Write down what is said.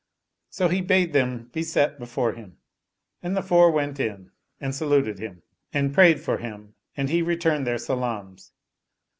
So he bade them be set before him and the four went in and sa luted him, and prayed for him and he returned their salams.